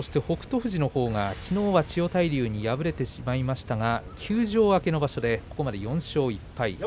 富士のほうは、きのう千代大龍に敗れてしまいましたが休場明けの場所でここまで４勝１敗。